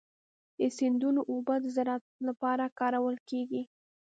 د سیندونو اوبه د زراعت لپاره کارول کېږي.